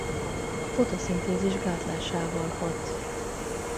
A fotoszintézis gátlásával hat.